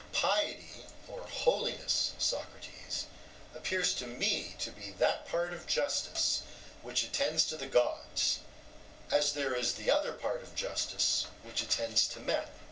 EUTHYPHRO: Piety or holiness, Socrates, appears to me to be that part of justice which attends to the gods, as there is the other part of justice which attends to men.